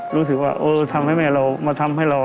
รู้สึกว่าเออทำให้แม่เรามาทำให้เรา